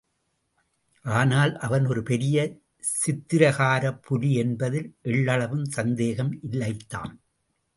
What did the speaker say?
ஆனால் அவன் ஒரு பெரிய சித்திரக்காரப் புலி என்பதில் எள்ளளவும் சந்தேகம் இல்லைதான்.